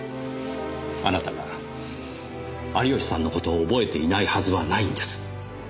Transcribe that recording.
あなたが有吉さんのことを憶えていないはずはないんです。